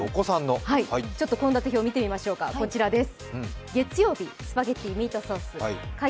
ちょっと献立表見てみましょうか、こちらです。